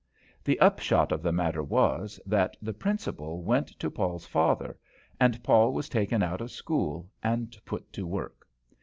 The upshot of the matter was, that the Principal went to Paul's father, and Paul was taken out of school and put to work.